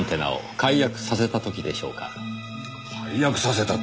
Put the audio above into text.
解約させたって。